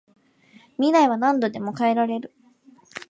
未来は何度でも変えられる